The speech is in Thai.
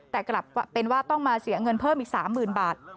แต่กลับเป็นว่าต้องมาเสียเงินเพิ่มอีก๓๐๐๐บาท